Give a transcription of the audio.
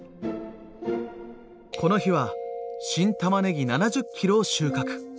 この日は新たまねぎ７０ｋｇを収穫。